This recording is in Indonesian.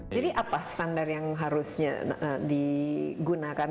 jadi apa standar yang harus digunakan